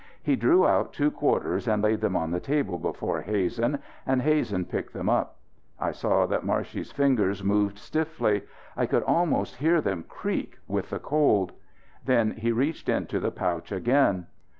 He drew out two quarters and laid them on the table before Hazen, and Hazen picked them up. I saw that Marshey's fingers moved stiffly; I could almost hear them creak with the cold. Then he reached into the pouch again.